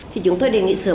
chúng tôi đề nghị sửa